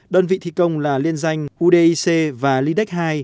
đơn vị thi công là liên danh udic và lidex hai